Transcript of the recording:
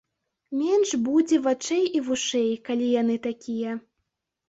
Менш будзе вачэй і вушэй, калі яны такія.